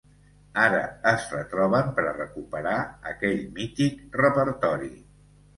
Ara es retroben per a recuperar aquell mític repertori.